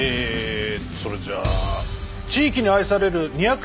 それじゃあ地域に愛される２００円